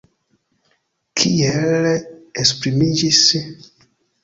Kiel esprimiĝis?